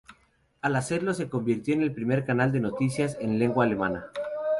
Al hacerlo, se convirtió en el primer canal de noticias en lengua alemana.